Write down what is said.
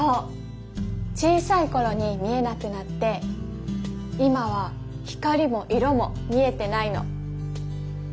小さいころに見えなくなって今は光も色も見えてないの。